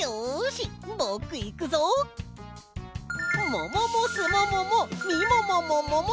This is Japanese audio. もももすもももみももももも！